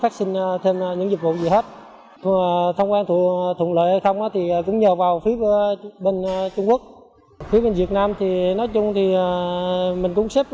phía việt nam thì nói chung thì mình cũng xếp theo thứ tự mà đi vào thôi